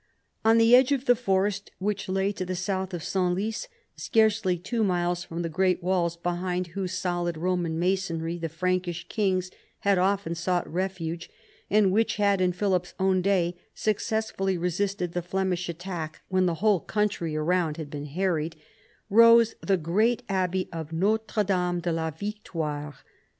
On the edge of the forest which lay to the south of Senlis, scarcely two miles from the great walls behind whose solid Roman masonry the Frankish kings had often sought refuge, and which had in Philip's own day successfully resisted the Flemish attack when the whole country around had been harried, rose the great abbey of Notre Dame de la Victoire.